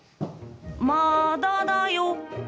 まあだだよ。